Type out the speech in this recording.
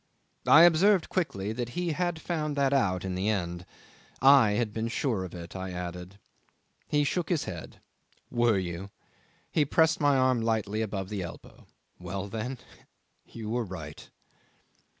'I observed quickly that he had found that out in the end. I had been sure of it, I added. He shook his head. "Were you?" He pressed my arm lightly above the elbow. "Well, then you were right."